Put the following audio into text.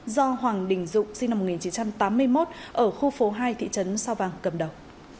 do hoàng đình dụng sinh năm một nghìn chín trăm tám mươi một ở khu phố hai thị trấn sao vàng cầm đầu